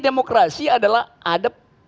demokrasi adalah ada